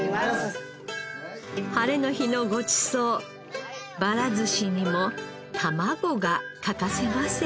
晴れの日のごちそうばら寿司にもたまごが欠かせません